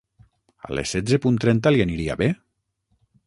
A les setze punt trenta li aniria bé?